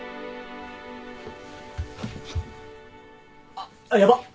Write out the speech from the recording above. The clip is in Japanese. あっヤバッ！